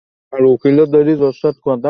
ওর বিয়ে হয়ে গেছে, দুটো বাচ্চাও আছে।